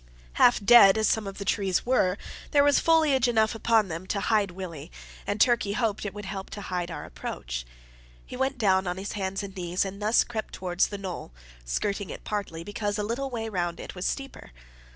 Half dead as some of the trees were, there was foliage enough upon them to hide Willie, and Turkey hoped it would help to hide our approach. He went down on his hands and knees, and thus crept towards the knoll, skirting it partly, because a little way round it was steeper.